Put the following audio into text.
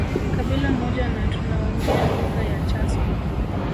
Kabila moja na tunaoongea lugha ya Chasu